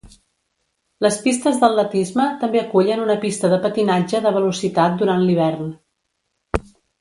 Les pistes d'atletisme també acullen una pista de patinatge de velocitat durant l'hivern.